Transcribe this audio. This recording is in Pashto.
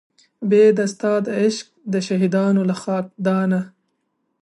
بې د ستا د عشق د شهیدانو له خاکدانه